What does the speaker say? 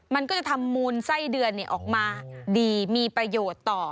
มันก็จะทำมูลไส้เดือนออกมาดีมีประโยชน์ต่อ